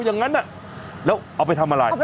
อย่างนั้นแล้วเอาไปทำอะไร